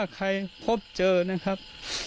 ใครพบเจอนะครับ